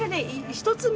１つ目？